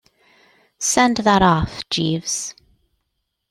Send that off, Jeeves.